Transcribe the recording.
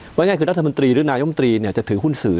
ง่ายคือรัฐมนตรีหรือนายมนตรีจะถือหุ้นสื่อ